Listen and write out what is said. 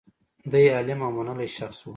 دی عالم او منلی شخص و.